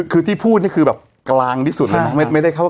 คือที่พูดนี่คือแบบกลางที่สุดเลยมั้ง